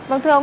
vâng thưa ông